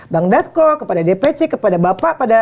bang dasko kepada dp c kepada bapak